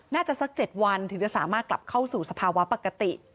สัก๗วันถึงจะสามารถกลับเข้าสู่สภาวะปกติ